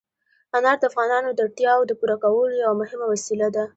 انار د افغانانو د اړتیاوو د پوره کولو یوه مهمه وسیله ده.